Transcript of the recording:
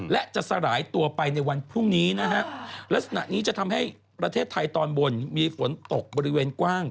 และจะสลายตัวไปในวันพรุ่งนี้นะฮะลักษณะนี้จะทำให้ประเทศไทยตอนบนมีฝนตกบริเวณกว้าง